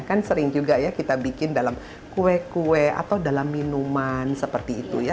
kan sering juga ya kita bikin dalam kue kue atau dalam minuman seperti itu ya